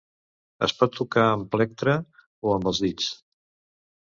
Es pot tocar amb plectre o amb els dits.